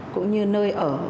cũng như nơi ở